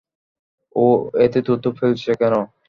ও এতে থুথু ফেলছে কেন?